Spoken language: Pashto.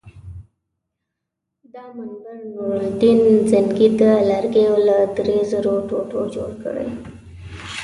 دا منبر نورالدین زنګي د لرګیو له درې زرو ټوټو جوړ کړی.